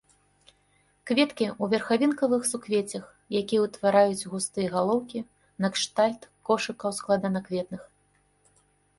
Кветкі ў верхавінкавых суквеццях, якія ўтвараюць густыя галоўкі накшталт кошыкаў складанакветных.